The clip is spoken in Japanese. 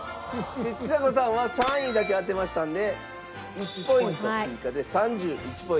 ちさ子さんは３位だけ当てましたので１ポイント追加で３１ポイント。